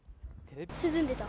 涼んでた。